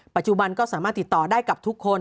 ปัจจุบันก็สามารถติดต่อได้กับทุกคน